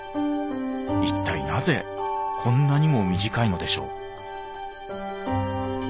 一体なぜこんなにも短いのでしょう？